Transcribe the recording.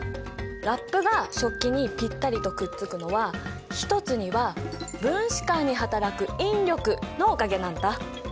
ラップが食器にぴったりとくっつくのは一つには分子間にはたらく引力のおかげなんだ。